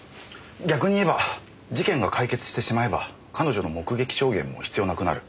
逆に言えば事件が解決してしまえば彼女の目撃証言も必要なくなる。